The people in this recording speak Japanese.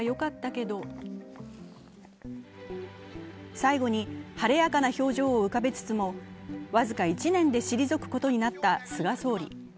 最後に晴れやかな表情を浮かべつつも僅か１年で退くことになった菅総理。